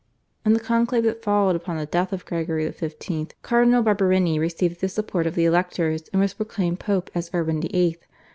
In the conclave that followed upon the death of Gregory XV. Cardinal Barberini received the support of the electors and was proclaimed Pope as Urban VIII.